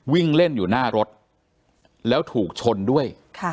วิ่งเล่นอยู่หน้ารถแล้วถูกชนด้วย